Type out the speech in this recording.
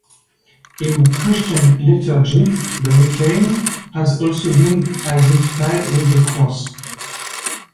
In Christian liturgy the mechane has also been identified with the cross.